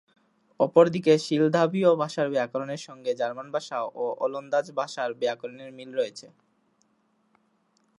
অপরদিকে সিলদাভীয় ভাষার ব্যাকরণের সঙ্গে জার্মান ভাষা ও ওলন্দাজ ভাষার ব্যাকরণের মিল রয়েছে।